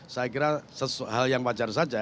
saya kira hal yang wajar saja